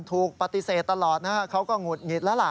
ถูกปฏิเสธตลอดนะฮะเขาก็หงุดหงิดแล้วล่ะ